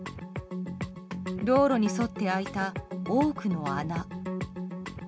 道路に沿って空いた多くの穴。